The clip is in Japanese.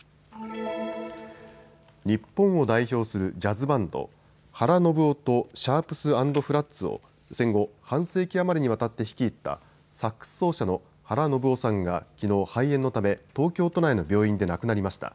日本を代表するジャズバンド、原信夫とシャープス＆フラッツを戦後、半世紀余りにわたって率いたサックス奏者の原信夫さんが、きのう肺炎のため東京都内の病院で亡くなりました。